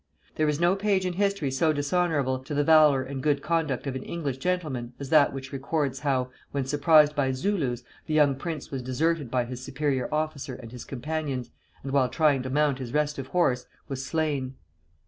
There is no page in history so dishonorable to the valor and good conduct of an English gentleman as that which records how, when surprised by Zulus, the young prince was deserted by his superior officer and his companions, and while trying to mount his restive horse, was slain.